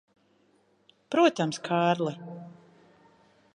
Protams, Kārli.